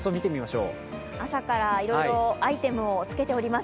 朝からいろいろアイテムを付けています。